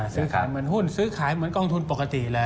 ซื้อขายเหมือนหุ้นซื้อขายเหมือนกองทุนปกติเลย